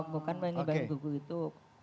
bukan mengibati buku itu